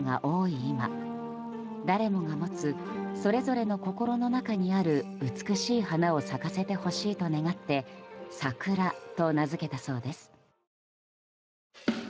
今誰もが持つそれぞれの心の中にある美しい花を咲かせてほしいと願って「Ｓａｋｕｒａ」と名付けたそうです。